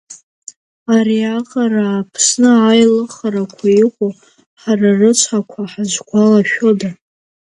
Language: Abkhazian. Ариаҟара Аԥсны аилыхарақәа иҟоу, ҳара рыцҳақәа ҳазгәалашәода.